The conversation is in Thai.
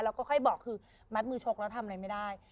แล้วก็ค่อยบอกคือมัดมือชกแล้วทำอะไรไม่ได้